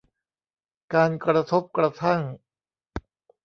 การกระทบกระทั่ง